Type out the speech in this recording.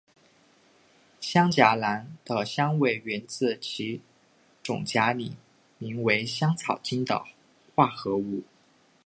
香荚兰的香味源自其种荚里名为香草精的化合物。